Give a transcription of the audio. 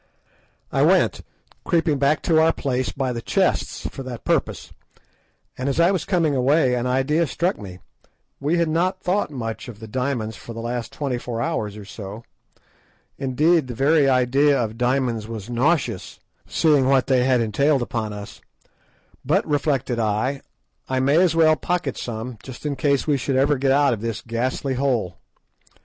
I went, creeping back to our place by the chests for that purpose, and as I was coming away an idea struck me. We had not thought much of the diamonds for the last twenty four hours or so; indeed, the very idea of diamonds was nauseous, seeing what they had entailed upon us; but, reflected I, I may as well pocket some in case we ever should get out of this ghastly hole.